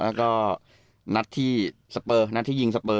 แล้วก็นัดที่สเปอร์นัดที่ยิงสเปอร์